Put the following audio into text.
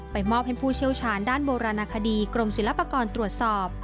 มอบให้ผู้เชี่ยวชาญด้านโบราณคดีกรมศิลปากรตรวจสอบ